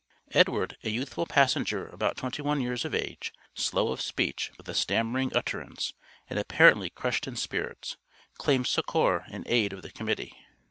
Edward, a youthful passenger about twenty one years of age, slow of speech, with a stammering utterance, and apparently crushed in spirits, claimed succor and aid of the Committee.